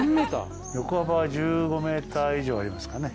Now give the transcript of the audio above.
横幅は１５ｍ以上ありますかね。